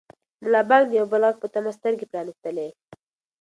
ملا بانګ د یو بل غږ په تمه سترګې پرانیستلې.